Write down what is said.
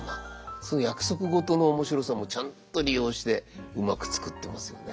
その約束事の面白さもちゃんと利用してうまく作ってますよね。